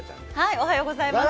おはようございます。